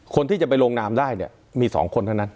คนที่จะไปลงนามได้มีสองคนเท่านั้น